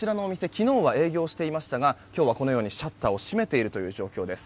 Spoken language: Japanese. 昨日は営業をしていましたが今日は、このようにシャッターを閉めている状況です。